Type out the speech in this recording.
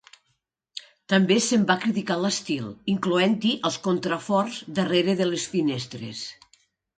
També se'n va criticar l'estil, incloent-hi els contraforts darrere de les finestres.